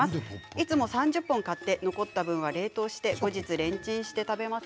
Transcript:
いつも３０本買って残った分は冷凍して後日レンチンして食べます。